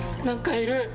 何かいる！